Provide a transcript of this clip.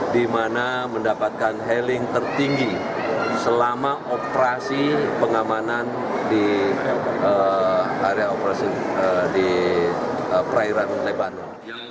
di mana mendapatkan hailing tertinggi selama operasi pengamanan di perairan lebanon